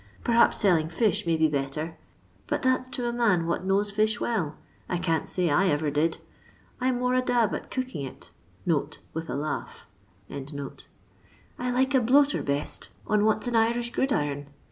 Perhaps selling fish may be better, but that 's to a nuui what knows fish welL I can't aay I ever did. I 'm more a dab at cooking it (with a laugh). I like a bloater best on what *ii an Irish gridiron.